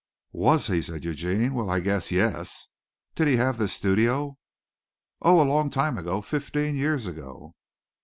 "Was he!" said Eugene. "Well I guess yes. Did he have this studio?" "Oh, a long time ago fifteen years ago."